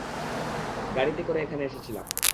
গাড়িতে করে এখানে এসেছিলাম।